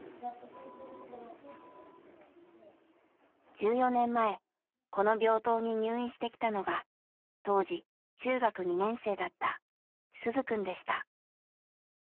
１４年前この病棟に入院してきたのが当時中学２年生だった鈴くんでした。